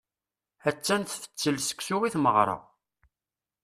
Attan tfettel seksu i tmeɣra.